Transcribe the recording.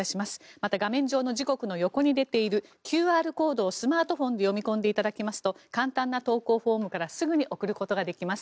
また画面上の時刻の横に出ているＱＲコードをスマートフォンで読み込んでいただきますと簡単な投稿フォームからすぐに送ることができます。